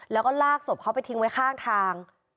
แล้วก็ลากศพเขาไปทิ้งไว้ข้างทาง